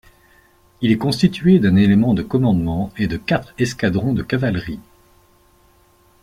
Il est constitué d'un élément de commandement et de quatre escadrons de cavalerie.